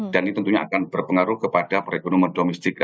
dan ini tentunya akan berpengaruh kepada perekonomian domestik